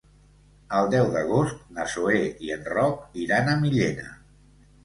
El deu d'agost na Zoè i en Roc iran a Millena.